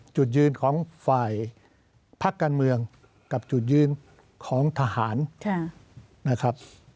จุดยืนของฝ่ายพักการเมืองกับจุดยืนของทหารนะครับ